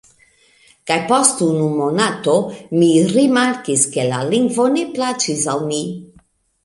Kaj post unu monato, mi rimarkis, ke la lingvo ne plaĉis al mi.